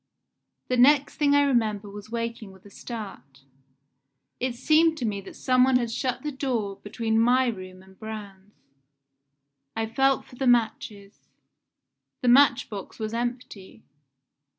"The next thing I remember was waking with a start. It seemed to me that some one had shut the door between my room and Braun's. I felt for the matches. The match box was empty.